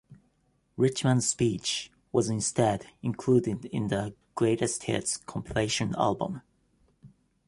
Richman's speech was instead included in the "Greatest Hits" compilation album.